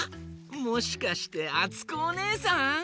もしかしてあつこおねえさん？